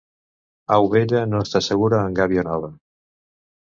Au vella no està segura en gàbia nova.